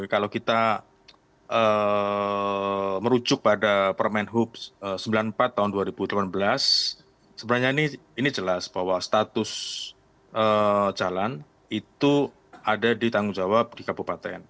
kalau kita merujuk pada permen hub sembilan puluh empat tahun dua ribu delapan belas sebenarnya ini jelas bahwa status jalan itu ada di tanggung jawab di kabupaten